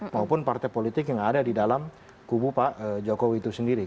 maupun partai politik yang ada di dalam kubu pak jokowi itu sendiri